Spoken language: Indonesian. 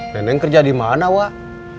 nenek kerja di mana wak